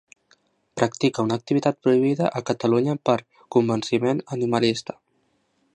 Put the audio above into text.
Practica una activitat prohibida a Catalunya per convenciment animalista.